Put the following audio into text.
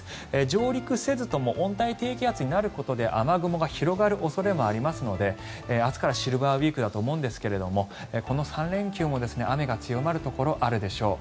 上陸せずとも温帯低気圧になることで雨雲が広がる恐れもありますので明日からシルバーウィークだと思うんですけどもこの３連休も雨が強まるところあるでしょう。